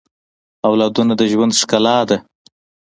اولادونه د ژوند ښکلا ده